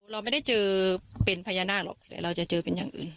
เราไม่ได้เจอเป็นพญานาคหรอกแต่เราจะเจอเป็นอย่างอื่น